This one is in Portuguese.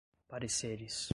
pareceres